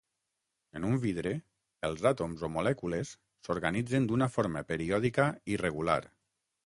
En un vidre, els àtoms o molècules s'organitzen d'una forma periòdica i regular.